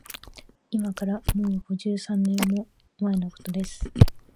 いまから、もう五十三年も前のことです